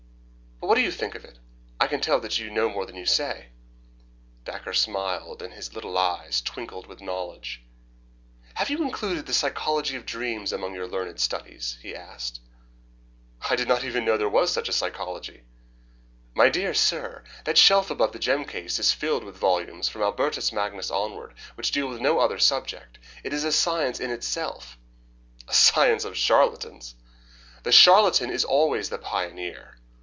But what do you think of it? I can tell that you know more than you say." Dacre smiled, and his little eyes twinkled with knowledge. "Have you included the psychology of dreams among your learned studies?" he asked. "I did not even know that there was such a psychology." "My dear sir, that shelf above the gem case is filled with volumes, from Albertus Magnus onward, which deal with no other subject. It is a science in itself." "A science of charlatans!" "The charlatan is always the pioneer.